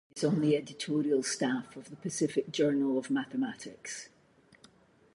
He is on the editorial staff of the "Pacific Journal of Mathematics".